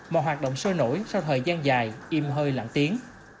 mà hoạt động sôi nổi sau thời gian dài im hơi lặng tiếng